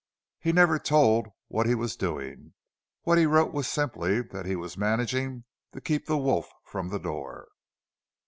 He never told what he was doing—what he wrote was simply that he was managing to keep the wolf from the door.